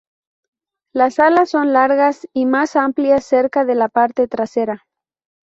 Las alas son largas y más amplias, cerca de la parte trasera.